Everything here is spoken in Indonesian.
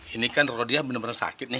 ini kan rodia bener bener sakit nih